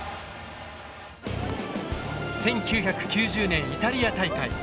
１９９０年イタリア大会。